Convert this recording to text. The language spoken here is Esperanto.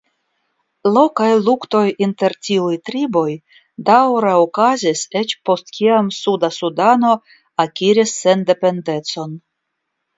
Lokaj luktoj inter tiuj triboj daŭre okazis eĉ post kiam Suda Sudano akiris sendependecon.